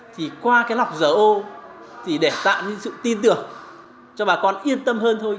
thì qua cái lọc dầu ô thì để tạo nên sự tin tưởng cho bà con yên tâm hơn thôi